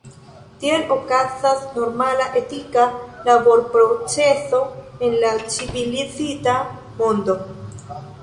Tiel okazas normala etika laborprocezo en la civilizita mondo.